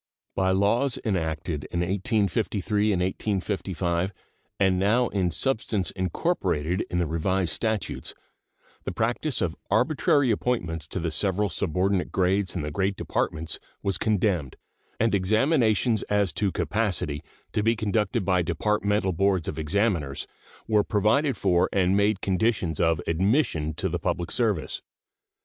By laws enacted in 1853 and 1855, and now in substance incorporated in the Revised Statutes, the practice of arbitrary appointments to the several subordinate grades in the great Departments was condemned, and examinations as to capacity, to be conducted by departmental boards of examiners, were provided for and made conditions of admission to the public service.